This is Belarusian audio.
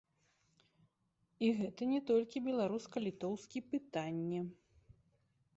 І гэта не толькі беларуска-літоўскі пытанне.